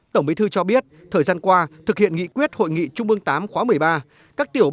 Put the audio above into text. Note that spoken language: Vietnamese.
tổng bí thư cho biết thời gian qua thực hiện nghị quyết hội nghị trung ương viii khóa một mươi ba